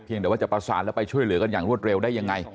เดี๋ยวว่าจะประสานแล้วไปช่วยเหลือกันอย่างรวดเร็วได้ยังไง